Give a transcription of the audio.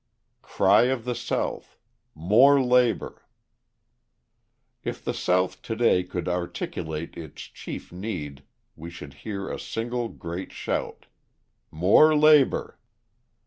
Cry of the South: "More Labour" If the South to day could articulate its chief need, we should hear a single great shout: "More labour!"